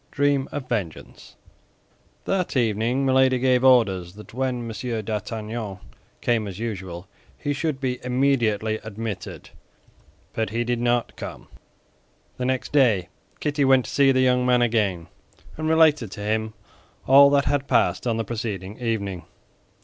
DREAM OF VENGEANCE That evening Milady gave orders that when M. d'Artagnan came as usual, he should be immediately admitted; but he did not come. The next day Kitty went to see the young man again, and related to him all that had passed on the preceding evening.